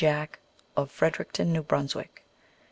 JACK, of Freder icton, New Brunswick.